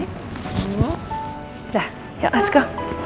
udah yuk let's go